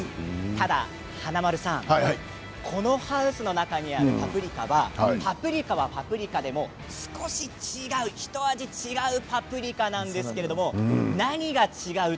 ただ華丸さんこのハウスの中にあるパプリカはパプリカはパプリカでも少し違うひと味違うパプリカなんです。